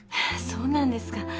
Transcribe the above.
そうなんですか。